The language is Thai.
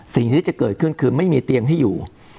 สิ่งที่จะเกิดขึ้นคือไม่มีเตียงให้อยู่